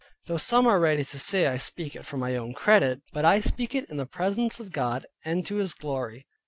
Though some are ready to say I speak it for my own credit; but I speak it in the presence of God, and to His Glory.